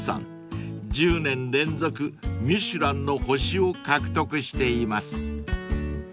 ［１０年連続『ミシュラン』の星を獲得しています］